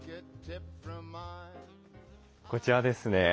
こちらですね。